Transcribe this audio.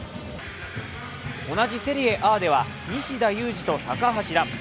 同じセリエＡでは西田有志と高橋藍